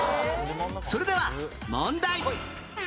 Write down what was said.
それでは問題